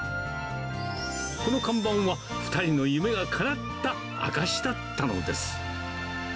この看板は、２人の夢がかなった証しだったのです。